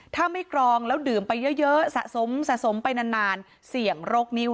ถ้าไม่กรองแล้วดื่มไปเยอะสะสมสะสมไปนานเสี่ยงโรคนิ้ว